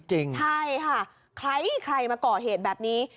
ใช่ค่ะใครมาก่อเหตุแบบนี้